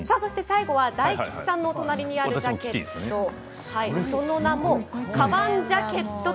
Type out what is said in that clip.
最後は大吉さんの隣にあるジャケット